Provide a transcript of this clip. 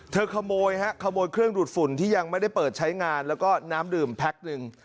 ขโมยฮะขโมยเครื่องดูดฝุ่นที่ยังไม่ได้เปิดใช้งานแล้วก็น้ำดื่มแพ็คหนึ่ง